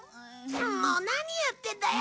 もう何やってんだよ！